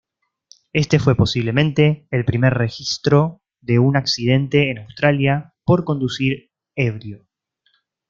Este fue, posiblemente, el primer registró de un accidente en Australia por conducir ebrio.